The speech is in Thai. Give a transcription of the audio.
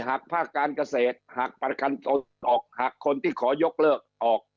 หากภาคการเกษตรหักประกันออกหักคนที่ขอยกเลิกออก